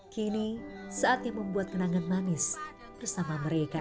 kini saatnya membuat kenangan manis bersama mereka